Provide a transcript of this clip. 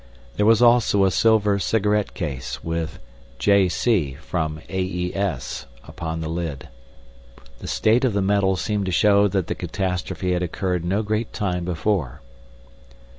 There was also a silver cigarette case, with "J. C., from A. E. S.," upon the lid. The state of the metal seemed to show that the catastrophe had occurred no great time before.